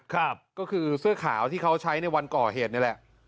ครับก็คือเสื้อขาวที่เขาใช้ในวันก่อเหตุนี่แหละ